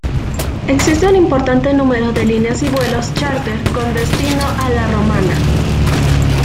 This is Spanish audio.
Existe un importante número de líneas y vuelos chárter con destino a La Romana.